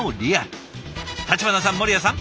橘さん守屋さん